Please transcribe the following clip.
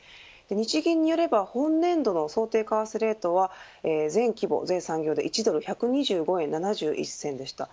日銀によれば本年度の想定為替レートは全規模、全産業で１ドル１４５円７１銭でした。